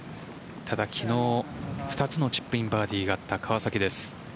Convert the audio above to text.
ただ、昨日２つのチップインバーディーがあった川崎です。